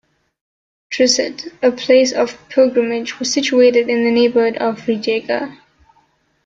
Trsat, a place of pilgrimage, was situated in the neighbourhood of Rijeka.